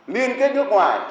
liên kết nước ngoài